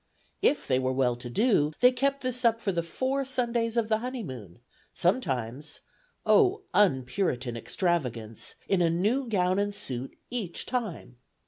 If they were well to do, they kept this up for the four Sundays of the honeymoon, sometimes oh, un Puritan extravagance! in a new gown and suit each time!